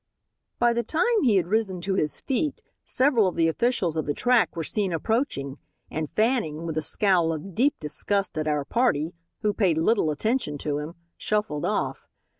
By the time he had risen to his feet several of the officials of the track were seen approaching, and Fanning, with a scowl of deep disgust at our party, who paid little attention to him, shuffled off.